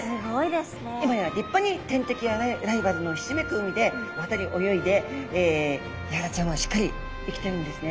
今や立派に天敵やライバルのひしめく海で渡り泳いでヤガラちゃんはしっかり生きてるんですね。